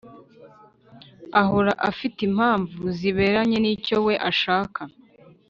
ahora afite impamvu ziberanye n’icyo we ashaka.